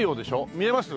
見えます？